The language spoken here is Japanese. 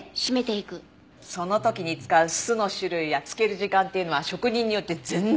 その時に使う酢の種類や漬ける時間っていうのは職人によって全然違うんだって。